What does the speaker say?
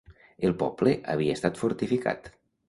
El poble havia estat fortificat.